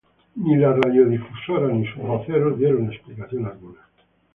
Ni la radiodifusora, ni sus voceros dieron explicación alguna.